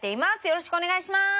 よろしくお願いします。